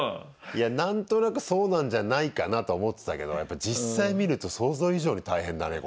いや何となくそうなんじゃないかなとは思ってたけどやっぱり実際見ると想像以上に大変だね